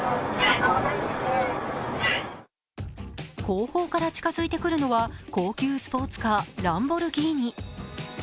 後方から近づいてくるのは、高級スポーツカー、ランボルギーニ。